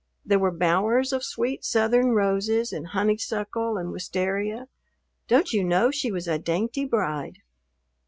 There were bowers of sweet Southern roses and honeysuckle and wistaria. Don't you know she was a dainty bride?